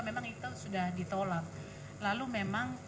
memang itu sudah ditolak lalu memang